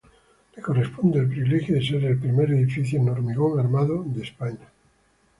Le corresponde el privilegio de ser el primer edificio en hormigón armado de España.